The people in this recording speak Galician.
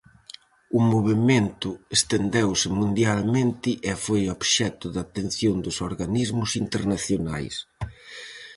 O movemento estendeuse mundialmente e foi obxecto de atención dos organismos internacionais.